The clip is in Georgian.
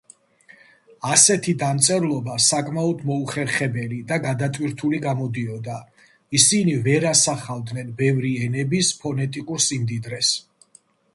ასეთი დამწერლობა საკმაოდ მოუხერხებელი და გადატვირთული გამოდიოდა, ისინი ვერ ასახავდნენ ბევრი ენების ფონეტიკურ სიმდიდრეს.